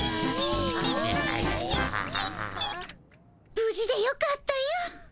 無事でよかったよ。